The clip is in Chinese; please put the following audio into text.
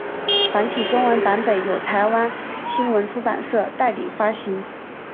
繁体中文版本由台湾青文出版社代理发行。